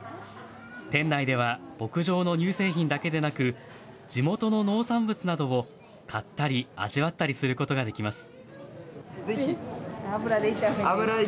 店内では、牧場の乳製品だけでなく、地元の農産物などを買ったり味わったりすることができます。